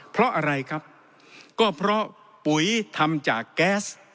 เพราะอะไรครับก็เพราะปุ๋ยทำจากแก๊ส